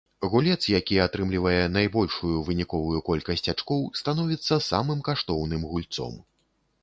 Гулец, які атрымлівае найбольшую выніковую колькасць ачкоў, становіцца самым каштоўным гульцом.